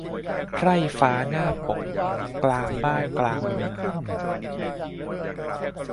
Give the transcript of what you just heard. ไพร่ฟ้าหน้าปก กลางบ้าน กลางเมือง